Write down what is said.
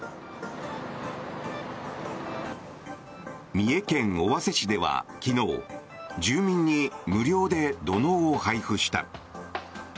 三重県尾鷲市では昨日住民に無料で土のうを配布した。